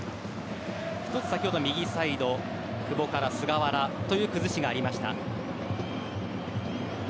一つ先ほど右サイド、久保から菅原という崩しがありました。